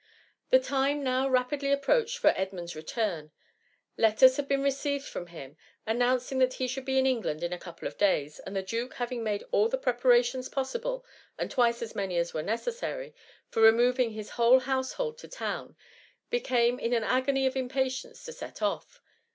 The time now rapidly approached for Ed mund'^s return ; letters had been received from him, announcing that he should be in England in a couple of days, and tlie duke having made all the preparations possible, and twice as many as were necessary, for removing his whole house hold to town, became in an agony of impatience to set off..